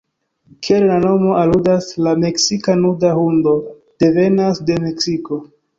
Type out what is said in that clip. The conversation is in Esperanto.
Kiel la nomo aludas, la meksika nuda hundo devenas de Meksiko.